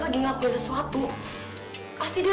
kayaknya dia ke basecamp warrior deh